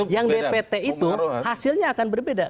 yang dpt itu hasilnya akan berbeda